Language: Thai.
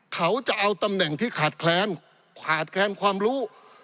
เขาจะเอาตำแหน่งที่ขาดแคลนขาดแคลนความรู้